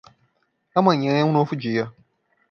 Amanhã é um novo dia.